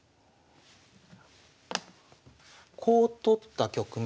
こう取った局面。